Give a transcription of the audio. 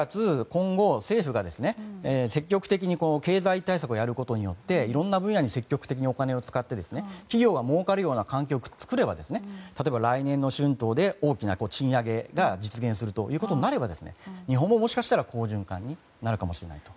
今後、政府が積極的に経済対策をやることによっていろいろな分野に積極的にお金を使って企業が儲かるような環境を作れば例えば来年の春闘で大きな賃上げが実現するということになれば日本ももしかしたら好循環になるかもしれないと。